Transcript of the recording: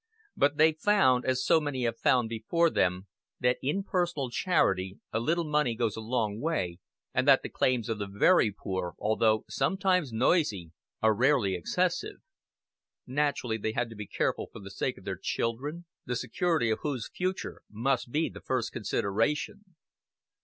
But they found, as so many have found before them, that in personal charity a little money goes a long way, and that the claims of the very poor, although sometimes noisy, are rarely excessive. Naturally they had to be careful for the sake of their children, the security of whose future must be the first consideration.